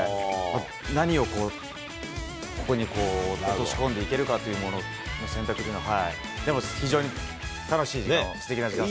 何をこう、ここにこう、落とし込んでいけるのかっていう選択というのが、でも非常に楽しい時間をすてきな時間を。